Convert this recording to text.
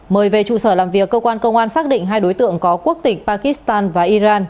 mời về trụ sở làm việc cơ quan công an xác định hai đối tượng có quốc tịch pakistan và iran